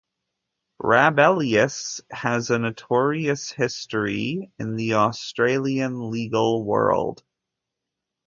"Rabelais" has a notorious history in the Australian legal world.